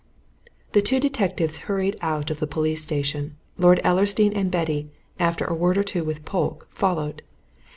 The two detectives hurried out of the police station; Lord Ellersdeane and Betty, after a word or two with Polke, followed.